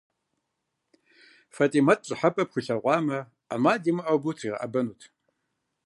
Фэтимэт пщӏыхьэпэ пхуилъагъуамэ, ӏэмал имыӏэу абы утригъэӏэбэнут.